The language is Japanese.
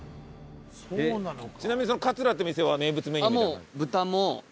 ちなみにそのカツラって店は名物メニューみたいなのは。